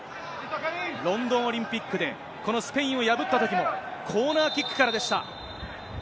ロンドンオリンピックでこのスペインを破ったときも、コーナーキックからでした。